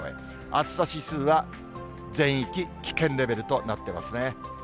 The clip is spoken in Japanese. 暑さ指数は全域危険レベルとなってますね。